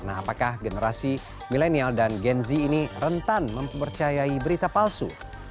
nah apakah generasi milenial dan gen z ini rentan mempercayai berita palsu